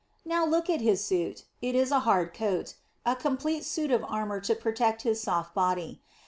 Now look at his suit. It is a hard coat, a complete suit of armour to protect his soft body.